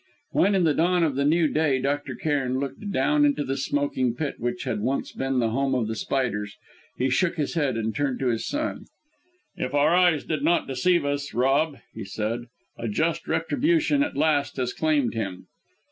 When, in the dawn of the new day, Dr. Cairn looked down into the smoking pit which once had been the home of the spiders, he shook his head and turned to his son. "If our eyes did not deceive us, Rob," he said, "a just retribution at last has claimed him!"